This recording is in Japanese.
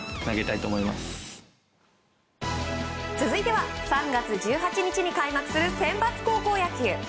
続いては３月１８日に開幕するセンバツ高校野球。